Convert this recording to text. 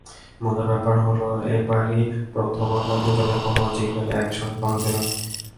মজার ব্যাপার হলো, এবারই প্রথম আমরা দুজন কোনো জিঙ্গেলে একসঙ্গে কণ্ঠ দিলাম।